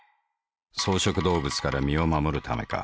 草食動物から身を護るためか。